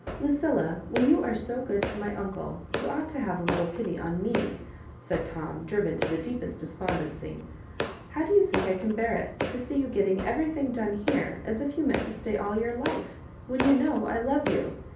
" Lucilla^ when you are so good to my uncle, you ought to have a little pity on me," said Tom, driven to the deepest despondency. "How do you think I can bear it, to see you getting every thing done here, as if you meant to stay all your life — when you know I love you